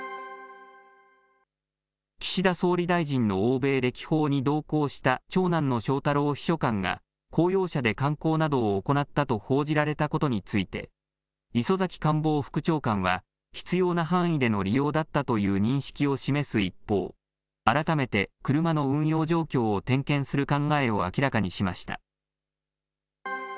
岸田総理大臣の欧米歴訪に同行した長男の翔太郎秘書官が、公用車で観光などを行ったと報じられたことについて、磯崎官房副長官は、必要な範囲での利用だったという認識を示す一方、改めて車の運用状況を点検する考えを明らかにしました。